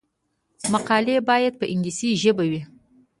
مقالې باید په انګلیسي ژبه وي.